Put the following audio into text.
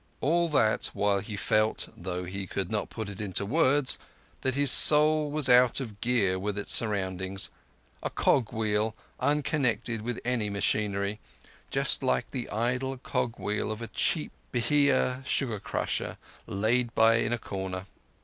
All that while he felt, though he could not put it into words, that his soul was out of gear with its surroundings—a cog wheel unconnected with any machinery, just like the idle cog wheel of a cheap Beheea sugar crusher laid by in a corner.